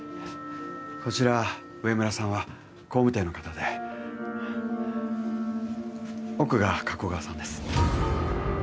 こちら植村さんは工務店の方で奥が加古川さんです